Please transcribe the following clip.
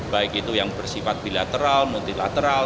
baik itu yang bersifat bilateral multilateral